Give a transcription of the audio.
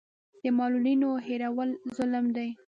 د معلولینو هېرول ظلم دی.